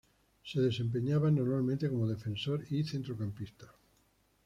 Se desempeñaba normalmente como defensor y centrocampista.